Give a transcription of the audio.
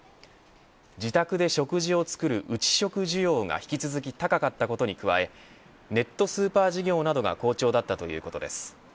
自宅で食事を作る内食需要が引き続き高かったことに加えネットスーパー事業などが好調だったということです。